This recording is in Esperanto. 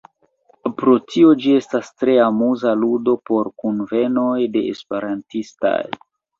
Pro tio, ĝi estas tre amuza ludo por kunvenoj de esperantistaj.